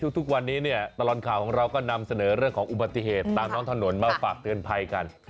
ทุกวันนี้เนี่ยตลอดข่าวของเราก็นำเสนอเรื่องของอุบัติเหตุตามท้องถนนมาฝากเตือนภัยกัน